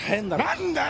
何だよ！？